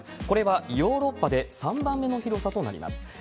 これはヨーロッパで３番目の広さとなります。